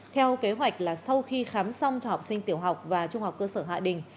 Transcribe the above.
theo kế hoạch là sau khi khám xong cho học sinh tiểu học và trung học cơ sở hạ đình